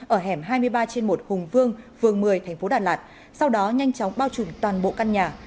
ở hẻm hai mươi ba trên một hùng vương phường một mươi tp đà lạt sau đó nhanh chóng bao trùm toàn bộ căn nhà